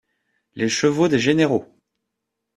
Les chevaux des généraux!